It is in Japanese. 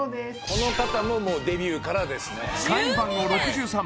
この方ももうデビューからですね